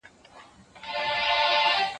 زه کولای سم ښوونځی ته ولاړ سم!.